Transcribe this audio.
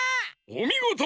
おみごと！